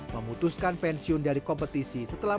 memutuskan pensiun dari kompetisi setelah